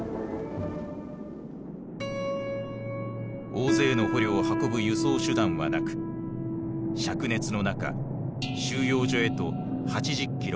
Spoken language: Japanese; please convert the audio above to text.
大勢の捕虜を運ぶ輸送手段はなくしゃく熱の中収容所へと８０キロ歩かせた。